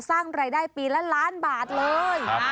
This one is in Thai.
สร้างรายได้ปีละล้านบาทเลย